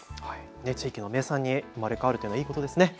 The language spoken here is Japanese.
地域の名産に生まれ変わるというのはいいことですね。